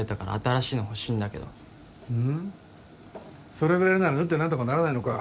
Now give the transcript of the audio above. それぐらいなら縫って何とかならないのか？